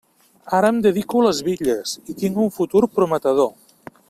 Ara em dedico a les bitlles i tinc un futur prometedor.